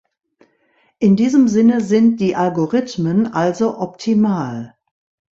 In diesem Sinne sind die Algorithmen also optimal.